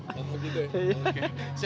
oh begitu ya